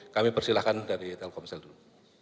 kami persilahkan dari telkomsel dulu